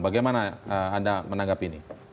bagaimana anda menanggapi ini